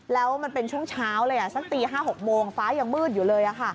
แล้วมันเป็นช่วงเช้าเลยสักตี๕๖โมงฟ้ายังมืดอยู่เลย